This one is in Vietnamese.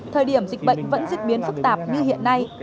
thời điểm dịch bệnh vẫn diễn biến phức tạp như hiện nay